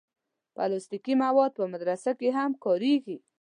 پلاستيکي مواد په مدرسه کې هم کارېږي.